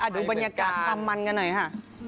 อ่ะดูบรรยากาศทำมันกันหน่อยฮะ